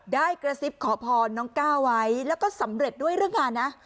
ได้กระซิบขอพรน้องก้าวไว้แล้วก็สำเร็จด้วยเรื่องงานนะ